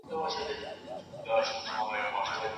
په لاره کې ځورول د نجونو ښوونې ته زیان رسوي.